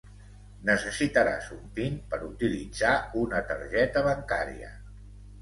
Necessitaràs un PIN per utilitzar una targeta bancària